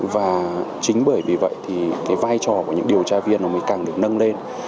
và chính bởi vì vậy thì cái vai trò của những điều tra viên nó mới càng được nâng lên